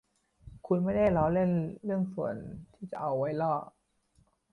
คุณไม่ได้ล้อเล่นเรื่องส่วนที่จะเอาไว้ล่อ